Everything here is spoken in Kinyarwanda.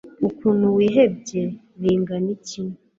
Ukuntu wihebye bingana iki